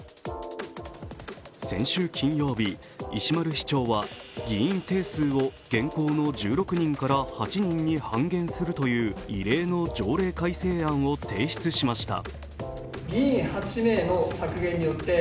先週金曜日、石丸市長は議員定数を現行の１６人から８人に半減するという異例の条例改正案を提出しました。